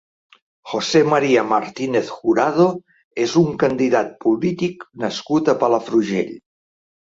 José María Martínez Jurado és un candidat polític nascut a Palafrugell.